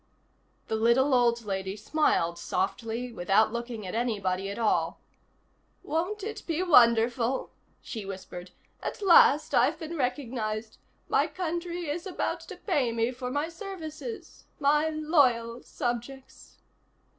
The little old lady smiled softly without looking at anybody at all. "Won't it be wonderful," she whispered. "At last I've been recognized. My country is about to pay me for my services. My loyal subjects...."